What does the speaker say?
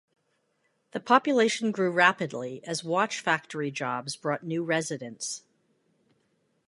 The population grew rapidly as watch factory jobs brought new residents.